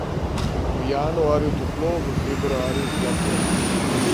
V januarju toplo, v februarju hladno.